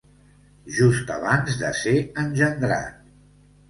Just abans de ser engendrat.